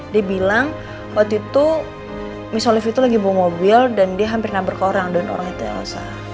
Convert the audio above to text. dia bilang waktu itu misolif itu lagi bawa mobil dan dia hampir number ke orang dan orang itu elsa